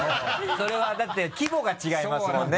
それはだって規模が違いますもんね。